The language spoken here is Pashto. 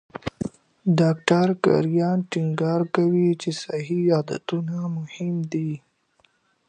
ډاکټر کرایان ټینګار کوي چې صحي عادتونه مهم دي.